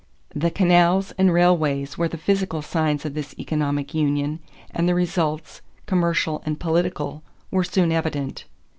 The canals and railways were the physical signs of this economic union, and the results, commercial and political, were soon evident.